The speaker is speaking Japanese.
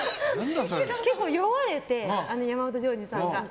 結構酔われて、山本譲二さんが。